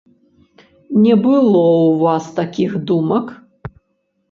Не было ў вас такіх думак?